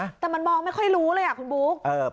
แต่มันมองไม่ค่อยรู้เลยอ่ะคุณบุ๊ค